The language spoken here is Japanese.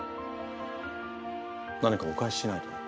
何かお返ししないと。